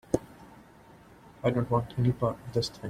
I don't want any part of this thing.